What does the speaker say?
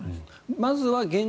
まずは、現状